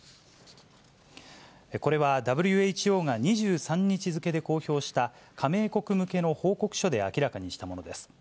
これは、ＷＨＯが２３日付で公表した、加盟国向けの報告書で明らかにしたものです。